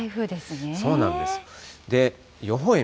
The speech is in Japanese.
そうなんです。